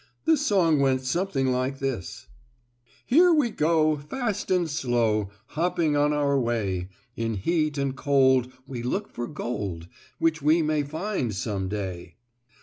The song went something like this: "Here we go, Fast and slow, Hopping on our way. In heat and cold We look for gold, Which we may find some day.